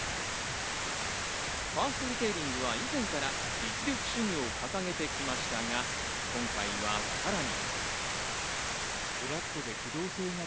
ファーストリテイリングは以前から実力主義を掲げてきましたが、今回はさらに。